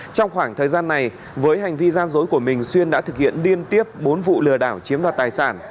trong khoảng thời gian này với hành vi gian dối của mình xuyên đã thực hiện liên tiếp bốn vụ lừa đảo chiếm đoạt tài sản